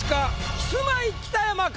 キスマイ北山か？